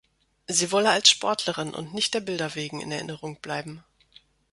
Sie wolle als Sportlerin und nicht der Bilder wegen in Erinnerung bleiben.